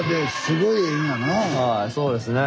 はいそうですねえ